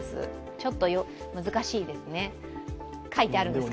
ちょっと難しいですね。